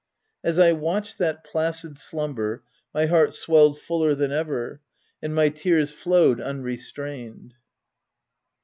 As I watched that placid slumber, my heart swelled fuller than ever, and my tears flowed unre strained.